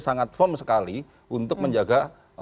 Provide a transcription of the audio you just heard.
sangat firm sekali untuk menjaga